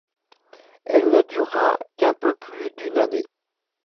Elle ne dura qu'un peu plus d'une année.